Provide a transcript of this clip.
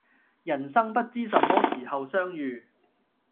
人生不知什麼時候相遇